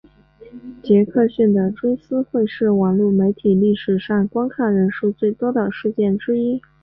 杰克逊的追思会是网路媒体历史上观看人数最多的事件之一。